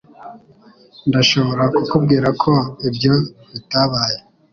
Ndashobora kukubwira ko ibyo bitabaye.